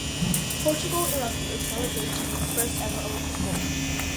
Portugal erupted in celebration of its first ever Olympic gold.